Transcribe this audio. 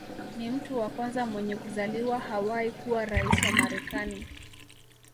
Ni mtu wa kwanza mwenye kuzaliwa Hawaii kuwa rais wa Marekani